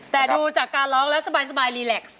แต่ดูจากการร้องแล้วสบายรีเล็กซ์